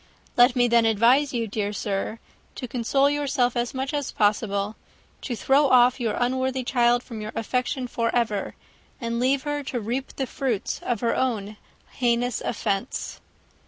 Let me advise you, then, my dear sir, to console yourself as much as possible, to throw off your unworthy child from your affection for ever, and leave her to reap the fruits of her own heinous offence.